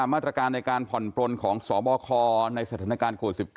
มาตรการในการผ่อนปลนของสบคในสถานการณ์โควิด๑๙